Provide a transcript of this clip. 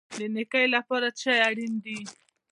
د نیکۍ لپاره څه شی اړین دی؟